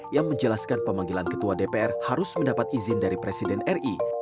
yang menjelaskan pemanggilan ketua dpr harus mendapat izin dari presiden ri